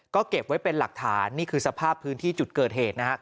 ก็เก็บไว้เป็นหลักฐานนี่คือสภาพพื้นที่จุดเกิดเหตุนะฮะ